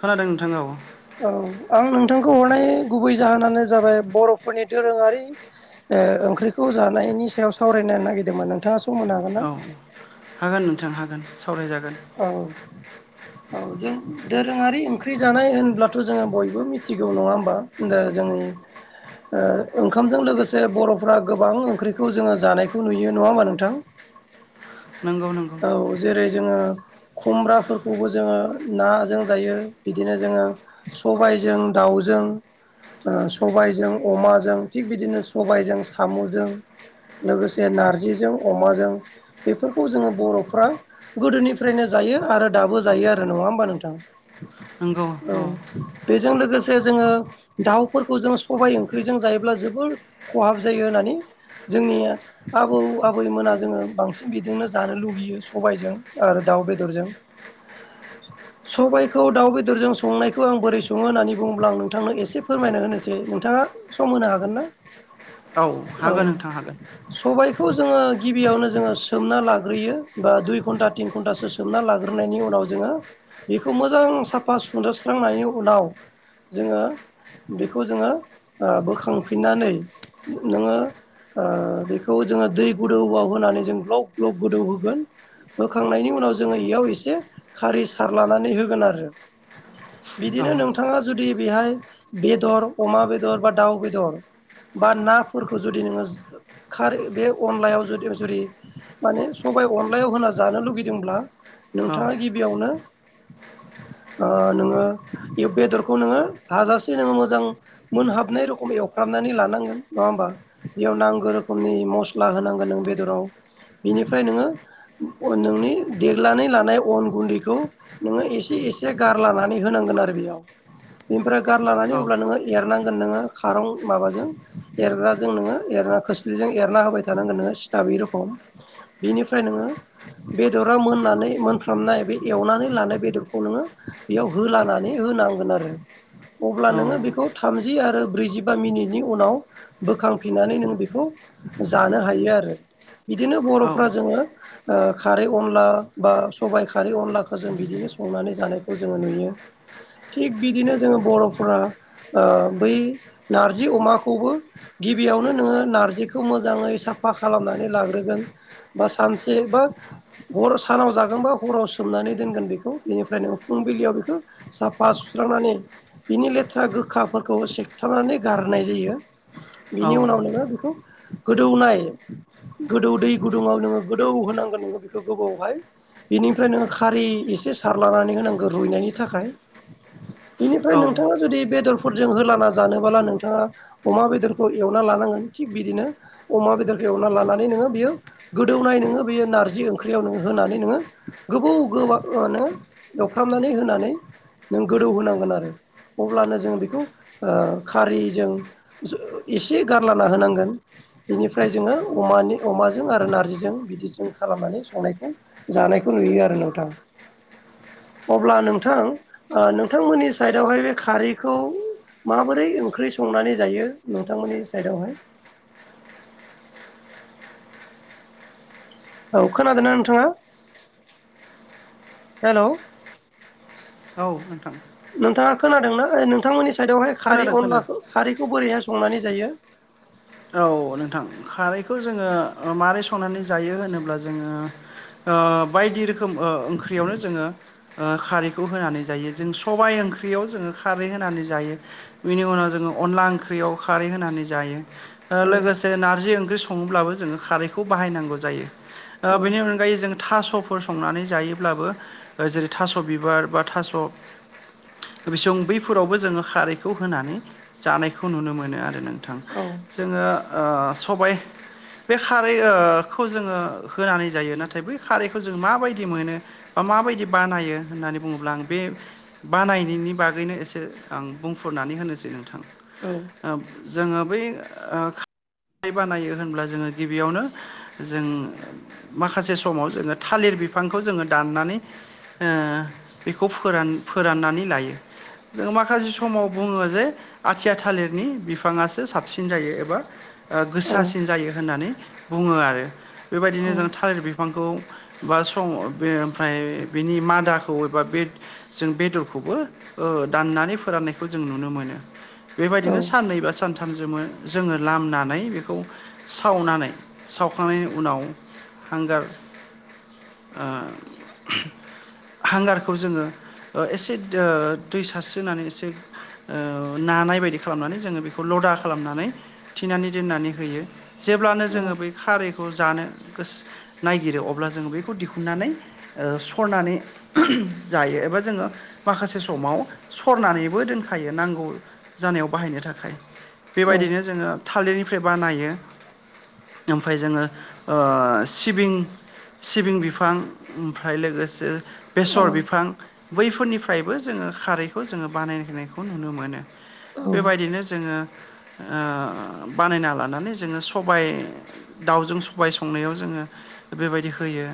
खोनादों नोंथां औ औ आं नोंथांखौ हरनाय गुबै जाहोनानो जाबाय बर'फोरनि दोरोङारि ओ ओंख्रिखौ जानायनि सायाव सावरायनो नागिरदोंमोन नों थाङा सम होनो हागोन ना? औ हागोन नोंथां हागोन सावरायजागोन औ औ जों दोरोङारि ओंख्रि जानाय होनब्लाथ' जोङो बयबो मिथिगौ नङा होमबा दा जोंनि ओ ओंखामजों लोगोसे बर'फ्रा गोबां ओंख्रिखौ जोङो जानायखौ नुयो नङा होमबा नोंथां। नंगौ नंगौ। औ जेरै जोङो खुम्ब्राफोरखौबो जोङो नाजों जायो बिदिनो जोङो सबायजों दाउजों सबायजों अमाजों थिग बिदिनो सबायजों साम'जों लोगोसे नारजिजों अमाजों बेफोरखौ जोङो बर'फ्रा गोदोनिफ्रायनो जायो आरो दाबो जायो आरो नङा होमबा नोंथां। औ। बेजों लोगोसे जोङो दाउफोरखौ जों सबाय ओंख्रिजों जायोब्ला जोबोर खहाब जायो होननानै जोंनि आबौ आबैमोना जोङो बांसिन बिदिनो जानो लुगैयो सबायजों आरो दाउ बेदरजों सबायाइखौ दाउ बेदरजों संनायखौ आं बोरै सङो होन्नानै बुङोब्ला आं नोंथांनो एसे फोरमायना होनोसै नोंथाङा सम होनो हागोन ना? औ हागोन नोंथां हागोन। सबायाइखौ जोङो गिबियावनो जोङो सोमना लागो लाग्रोयो बा दुइ घन्टा तिन घन्टासो सोमना लाग्रोनायनि उनाव जोङो। बेखौ मोजां साफा सुदोस्रांनायनि उनाव जोङो। बेखौ जोङो बोखांफिननानै नोङो ओ बेखौ जोङो दै गोदौआव होनानै जों ग्लग ग्लग गोदौ होगोन। होखांनायनि उनाव जोङो इयाव एसे खारै सारलानानै होगोन आरो औ बिदिनो नोंथाङा जुदि बेहाय बेदर अमा बेदर बा दाउ बेदर बा नाफोरखौ जुदि नोङो खारै- बे अनलायाव जुदि माने सबाइ अनलायाव होना जानो लुगैदोंब्ला औ नोंथाङा गिबियावनो। ओ नोङो बे बेदरखौ नोङो हाजासे नोङो मोजां मोनहाबनाय रोखोम एवफ्रामनानै लानांगोन नङा होमबा। बेयाव नांगौ रोखोमनि मस्ला होनांगोन नों बेदराव बिनिफ्राय नोङो नोंनि देगनानै लानाय अन गुन्दैखौ नोङो एसे एसे गारलानानै होनांगोन आरो बेयाव बेनिफ्राय गारलानानै औ होबब्ला नोङो एरनांगोन नोङो खारं माबाजों एरग्राजों नोङो एरना खोस्लिजों एरना होबाय थानांगोन नोङो। दा बे रोखम बिनिफ्राय नोङो बेदरा मोननानै मोनफ्रामनाय बे एवनानै लानाय बेदरखौ नोङो बेयाव होलानानै होनांगोन आरो अब्ला नोङो बेखौ थामजि आरो ब्रैजिबा मिनिटनि उनाव बोखांफिननानै नों बेखौ जानो हायो आरो। बिदिनो औ बर'फ्रा जोङो ओ खारै अनला बा सबायाइ खारै अनलाखौ जों बिदिनो संनानै जानायखौ जोङो नुयो। थिग बिदिनो जोङो बर'फोरा ओ बै नारजि अमाखौबो गिबियावनो नोङो नारजिखौ मोजाङै साफा खालामनानै लाग्रो। होगोन बा सानसे बा हर सानाव जागोनबा हराव सोमनानै दोनगोन बेखौ बेनिफ्राय नोङो फुंबिलियाव बेखौ साफा सुस्रांनानै बिनि लेथ्रा गोखाफोरखौ सेखथाबनानै गारनाय जायो। बिनि उनाव नोङो बेखौ गोदौनाय गोदौ दै गुदुङाव नोङो गोदौ होनांगोन नोङो बेखौ गोबावहाय बिनिफ्राय नोङ खारै एसे सारलानानै होनांगौ रुइनायनि थाखाय बेनिफ्राय औ नोंथाङा जुदि बेदर फोरजों होलाना जानोब्ला नोंथाङा अमा बेदरखौ एवना लानांगोन थिग बिदिनो अमा बेदरखौ एवना लानानै नोङो बियो गोदौनाय नोङो बेयो नारजि ओंख्रियाव नोङो होनानै नोङो गोबाव गोब एवफ्रामनानै होनानै नों गोदौ होनांगोन आरो। अब्लानो जों बेखौ खारैजों जो इसे गारलाना होनांगोन इनिफ्राय जोङो अमानि अमाजों आरो नारजिजों बिदिजों खालामनानै संनायखौ। जानायखौ नुयो आरो नोंथां। अब्ला नोंथां ओ नोंथांमोननि साइडआवहाय बे खारैखौ माबोरै ओंख्रि संनानै जायो नोंथांमोननि साइडआवहाय।? औ खोनादोंना नोंथाङा हेल'। औ नोंथां। नोंथाङा खोनादोंना नोंथांमोननि साइदआवहाय खारै खोनादों अनला खोनादों खारैखौ बोरैहाय संनानै जायो। औ नोंथां खारैखौ जोङो माबारै संनानै जायो होनोब्ला जोङो ओ बायदि रोखोम ओ ओंख्रिआवनो जोङो ओ खारैखौ होनानै जायो जों सबाय ओंख्रियाव जोङो खारै होनानै जायो। बिनि उनाव जोङो अनला ओंख्रियाव खारै होनानै जायो। औ लोगोसे नारजि ओंख्रि सङोब्लाबो जोङो खारैखौ बाहायनांगौ जायो औ बेनि अन फं गायै जों थास'फोर संनानै जायोब्लाबो जेरै थास' बिबार बा थास'। बिसं बैफोरावबो जोङो खारैखौ होनानै जानायखौ नुनो मोनो आरो नोंथां‌। औ जोङो ओ सबाय बे खारै ओ खौ जोङो होनानै जायो नाथाय बै खारैखो जों माबायदि मोनो। ओ माबायदि बानायो होननानै बुङोब्ला आं बे बानायनायनि बागैनो एसे आं बुंफुरनानै होनोसै नोंथां। औ ओ जोङो बै ओ खारै बानायो होनब्ला जोङो गिबियावनो जों माखासे समाव जोङो थालिर बिफांखौ जोङो दाननानै ओ बेखौ फोरान फोराननानै लायो। माखासे समाव बुङो जे आथिया थालिरनि बिफाङासो साबसिन। हो जायो एबा गोसासिन जायो होननानै बुङो आरो औ बेबायदिनो जों थालिर बि फांखौ बा स बे ओमफ्राय बेनि मादाखौ एबा बे जों बेदरखौबो दाननानै फोराननायखौ जों नुनो मोनो। बेबायदिनो औ साननै बा सानथाम जो जोङो लामनानै बेखौ सावनानै सावखांनायनि उनाव हांगार ओ हांगारखौ जोङो एसे दै सारस्रिनानै एसे ओ नानाय बायदि खालामनानै जोङो बेखौ लदा खालामनानै थिनानै दोननानै होयो जेब्लानो जोङो बै खारैखौ जानो गोसो नायागिरो अब्ला जोङो बेखौ दिहुननानै सरनानै जायो एबा जोङो माखासे समाव सरनानैबो दोनखायो नांगौ जानायाव बाहायनो थाखाय औ बेबायदिनो जोङो थालिरनिफ्राय बानायो ओमफ्राय जोङो ओ सिबिं सिबिं बिफां ओमफ्राय लोगोसे बेसर बिफां बैफोरनिफ्रायबो जोङो खारैखौ जोङो बानायहायखौ नुनो मोनो औ बेबायदिनो जोङो ओ बानायना लानानै जोङो सबाय दाउजों सबाय संनायाव जोङो बेबायदि होयो।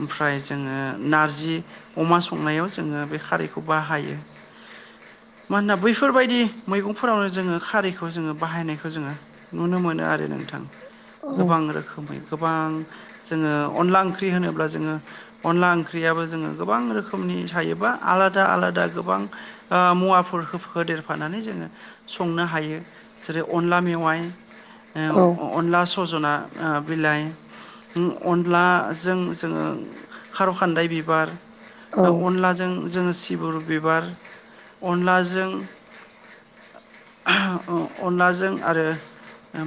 ओमफ्राय जोङो नारजि अमा संनायाव जोङो बे खारैखौ बाहायो। मानोना बैफोरबायदि मैगंफोरावनो जोङो खारैखौ जोङो बाहायनायखौ जोङो नुनो मोनो आरो नोंथां गोबां रोखोमै गोबां जोङो अनला ओंख्रि होनोब्ला जोङो अनला ओंख्रियाबो जोङो गोबां रोखोमनि थायो बा आलादा आलादा गोबां ओ मुवाफोर होदेरफानानै जोङो संनो हायो। जेरै अनला मेवाइ औ ओ अनला सज'ना बिलाइ अनलाजों जोङो खार' खान्दाय बिबार अनलाजों जोङो सिबुरु बिबार अनलाजों अ अनलाजों आरो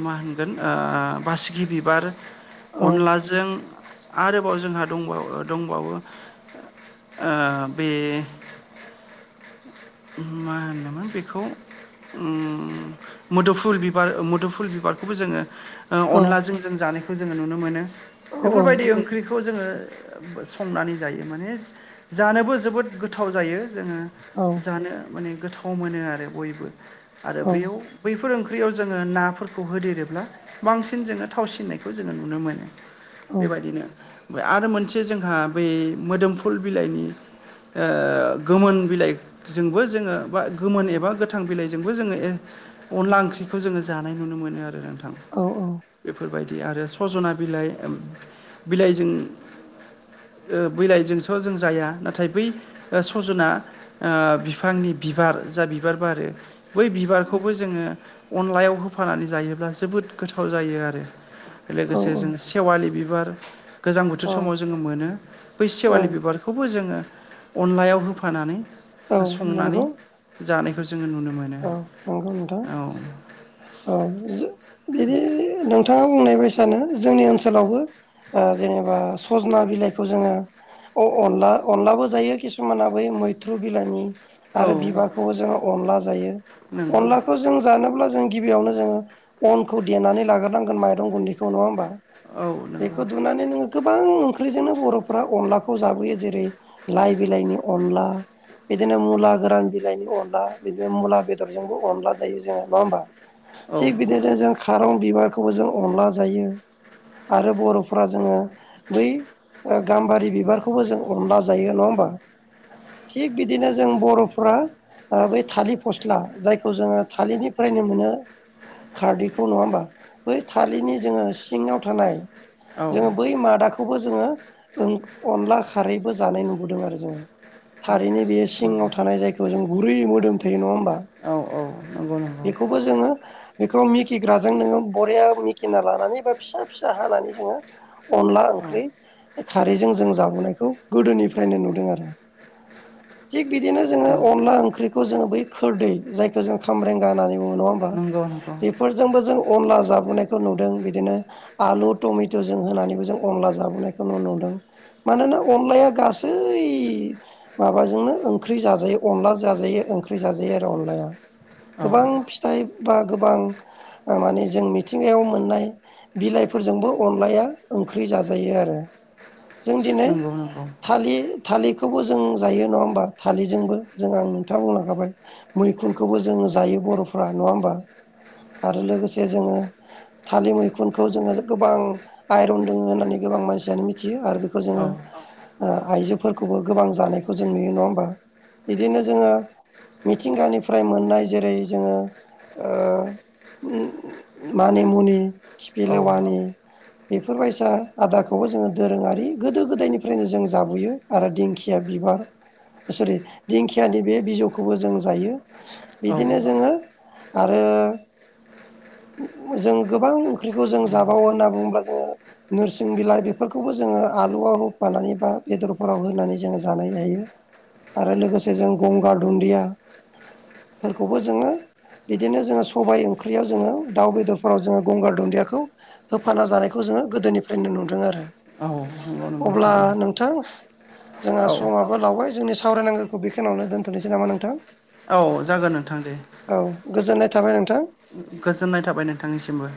मा होनगोन बासिगि बिबार औ अनलाजों आरोबाव जोंहा दंबावो दंबावो ओ बे मा होनोमोन बेखौ उम मोदुफुल बिबार मोदुफुल बिबारखौबो जोङो ओ औ अनलाजों जों जानायखौ जोङो नुनो मोनो। औ बेफोरबायदि ओंख्रि खौ जोङो संनानै जायो। माने जानोबो जोबोद गोथाव जायो जोङो जानो माने गोथाव मोनो आरो बयबो। आरो बेयाव बैफोर ओंख्रियाव जोङो नाफोरखौ होदेरोब्ला बांसिन जोङो थावसिननायखौ जोङो नुनो मोनो। बेबायदिनो आरो मोनसे जोंहा बै मोदोमफुल बिलाइनि ओ गोमोन बिलाइ जोंबो जोङो बा गोमोन एबा गोथां बिलाइजोंबो जोङो अनला ओंख्रिखौ जोङो जानाय नुनो मोनो आरो नोंथां। औ औ। बेफोरबायदि आरो सजना बिलाइ बिलाइजों ओ बिलाइजोंस' जों जाया नाथाय बै ओ सजना ओ बिफांनि बिबार जा बिबार बारो बै बिबारखौबो जोङो अनलायाव होफानानै जायोब्ला जोबोद गोथाव जायो आरो। लोगोसे औ जों सेवालि बिबार गोजां बोथोर समाव औ जोङो मोनो। बै औ सेवालि बिबार खौबो जोङो अनलायाव होफानानै औ संनानै नंगौ जानायखौ जोङो नुनो मोनो। औ नंगौ नोंथां। औ औ जो बिदि नोंथाङा बुंनाय बायसानो जोंनि ओनसोलावबो ओ जेनेबा सजना बिलाइखौ जोङो अ अनला अनलाबो जायो किसुमाना बै मैथ्रु बिलाइनि औ आरो बिबारखौबो जोङो अनला जायो। नंगौ अनलाखौ जों जानोब्ला जों गिबियावनो जोङो अनखौ देनानै लाग्रोनांगोन माइरं गुन्दैखौ नङा होमबा? औ नंगौ बेखौ दुनानै नों गोबां ओंख्रिजोंनो बर'फ्रा अनलाखौ जाबोयो जेरै लाइ बिलाइनि अनला बिदिनो मुला गोरान बिलाइनि अनला बिदिनो मुला बेदरजोंबो अनला जायो जोङो नङा होमबा? औ थिग बिदि नों जों खारं बिबारखौबो जों अनला जायो। आरो बर'फ्रा जोङो बै ओ गाम्बारि बिबारखौबो जों अनला जायो नङा होमबा? थिग बिदिनो जों बर'फ्रा ओ बै थालिर फस्ला जायखौ जोङो थालिरनि फ्रायनो मोनो खारदैखौ नङा होमबा? बै थालिरनि जोङो सिङाव थानाय औ जोङो बै मादा खौबो जोङो ओं अनला खारैबो जानाय नुबोदों आरो जोङो। थारैनो बेयो सिङाव नंगौ थानाय जायखौ जों गुरै मोदोम थायो नङा होम [unintelligible] बा? औ औ नंगौ नंगौ बेखौबो जोङो बेखौ मिकिग्राजों नोङो बरिया मिकिना लानानै बा फिसा फिसा हानानै जोङो अनला ओंख्रि खारैजों जों जाबोनायखौ गोदोनिफ्रायनो नुदों आरो। थिग बिदिनो जोङो औ अनला ओंख्रिखौ जोङो बै खोरदै जायखौ जों खामब्रें गा होननानै बुङो नङा होमबा? नंगौ नंगौ बेफोरजोंबो जों अनला जाबोनायखौ नुदों बिदिनो आलु, टमेट' जों होनानैबो जों अनला जाबोनायखौ न नुदों। मानोना अनलाया गासै माबाजोंनो ओंख्रि जाजायो अनला जाजायो ओं ख्रि जाजायो आरो अनलाया। औ गोबां फिथाइ बा गोबां ओ माने जों मिथिंगायाव मोननाय बिलाइफोरजोंबो अनलाया ओंख्रि जाजायो आरो। जों दिनै नंगौ नंगौ थालिर थालिरखौबो जों जायो नङा होमबा? थालिरजोंबो जों आं नोंथाङा मोनहा खाबाय। मैखुनखौबो जोङो जायो बर'फ्रा नङा होमबा? आरो लोगोसे जोङो थालिर मैखुनखौ जोङो गोबां आइरन दोङो होननानै गोबां मानसियानो मिथियो आरो बे खौ औ जोंङो ओ आइजोफोरखौबो गोबां जानायखौ जों नुयो नंङा होमबा? बिदिनो जोंङो मिथिंगानिफ्राय मोननाय जेरै जोंङो ओ उम मानिमुनि औ खिफिलेवानि बेफोरबायसा आदारखौबो जोंङो दोरोंङारि गोदो गोदायनिफ्रायनो जों जाबुयो। आरो दिंखिया बिबार अ सरि दिंखियानि बे बिजौ खौबो जों जायो औ बिदिनो जोंङो आरो उम्म जों गोबां ख्रिखौ जों जाबावो होनना बुंङोब्ला जोंङो नोरसिं बिलाइ बेफोरखौबो जोंङो आलुआव होफानानै बा बेदरफोराव होनानै जोंङो जानाय जायो। आरो लोगोसे जों गंगार दुन्दिया फोरखौबो जोंङो बिदिनो जोंङो सबायाइ ओंख्रियाव जोंङो दाउ बेदरफोराव जोंङो गंगार दुन्दियाखौ हो फानना जानायखौ जोंङो गोदोनिफ्रायनो नुदों आरो। अ नंगौ नंगौ अब्ला थारैनो। नोंथां जोंहा औ समाबो लावबाय जोंनि सावरायनांगौखो बेखिनियावनो दोनथ'नोसै नामा नोंथां? औ जागोन नोंथां दे। औ गोजोननाय थाबाय नोंथां। ओ ओम गोजोननाय थाबाय नोंथांनिसिमबो।